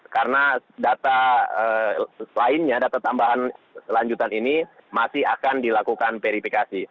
karena data lainnya data tambahan selanjutan ini masih akan dilakukan verifikasi